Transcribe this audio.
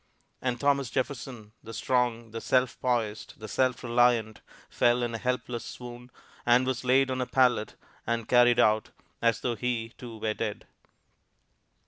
And Thomas Jefferson, the strong, the self poised, the self reliant, fell in a helpless swoon, and was laid on a pallet and carried out, as though he, too, were dead.